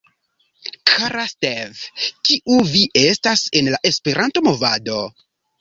Kara Steve, kiu vi estas en la Esperanto-movado?